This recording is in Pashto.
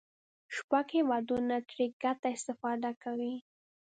شپږ هېوادونه ترې ګډه استفاده کوي.